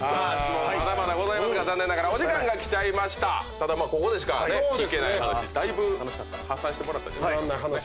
ただここでしか聞けない話だいぶ発散してもらった。